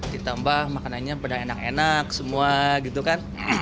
ditambah makanannya benar benar enak enak semua gitu kan